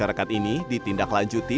masyarakat ini ditindaklanjuti